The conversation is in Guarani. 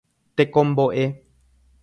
Tekombo'e.